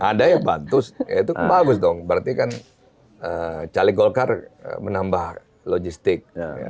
ada ya bantus itu bagus dong berarti kan calik golkar menambah logistik